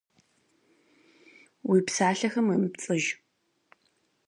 Уи псалъэхэм уемыпцӏыж.